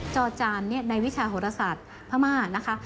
จอจานในวิชาโหรศาสตร์พม่านะคะ